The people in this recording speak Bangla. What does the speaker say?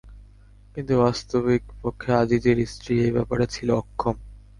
কিন্তু বাস্তবিক পক্ষে আযীযের স্ত্রী এ ব্যাপারে ছিল অক্ষম।